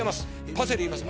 パセリ入れます